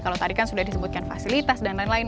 kalau tadi kan sudah disebutkan fasilitas dan lain lain